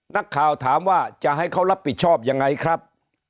นักข่าวถามว่าจะให้เขารับผิดชอบยังไงครับ